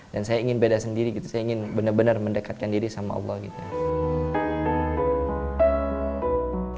dan saya ingin beda sendiri gitu saya ingin benar benar mendekatkan diri sama allah gitu ya